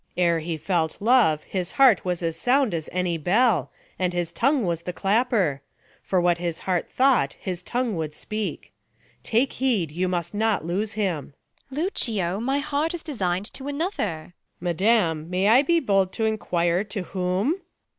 Luc. Ere he felt love his heart was as sound As any bell, and his tongue was the clapper : For what his heart thought his tongue would speak. 156 THE LAW AGAINST LOVERS. Take heed, you must not lose liim. Beat. Lucio, my heart is desigii'd to another. Luc. Madam, may I be bold t' enquire to whom